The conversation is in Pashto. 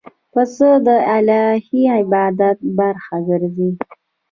پسه د الهی عبادت برخه ګرځي.